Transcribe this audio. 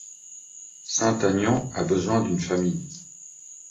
Saint-Aignan a besoin d'une famille.